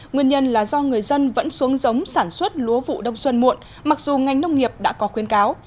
nguyên nhân là do người dân vẫn xuống giống sản xuất lúa vụ đông xuân muộn mặc dù ngành nông nghiệp đã có khuyến cáo